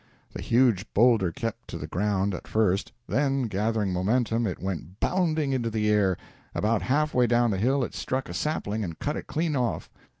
The huge boulder kept to the ground at first, then, gathering momentum, it went bounding into the air. About half way down the hill it struck a sapling and cut it clean off.